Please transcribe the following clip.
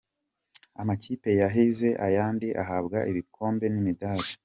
Amakipe yahize ayandi ahabwa ibikombe n'imidali.